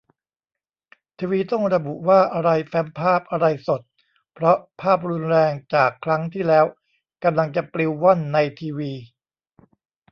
ทีวีต้องระบุว่าอะไร "แฟ้มภาพ" อะไร "สด" เพราะภาพรุนแรงจากครั้งที่แล้ว กำลังจะปลิวว่อนในทีวี